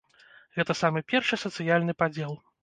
Гэта самы першы сацыяльны падзел.